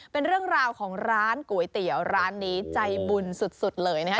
เป็นเรื่องราวของร้านก๋วยเตี๋ยวร้านนี้ใจบุญสุดเลยนะครับ